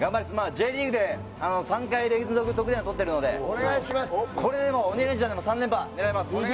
Ｊリーグで３回連続、得点王とってるので「鬼レンチャン」でも３連覇狙います。